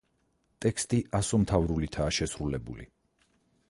ტექსტი ასომთავრულითაა შესრულებული.